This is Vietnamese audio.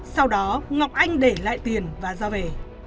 sau đó ngọc anh để lại tiền và ra về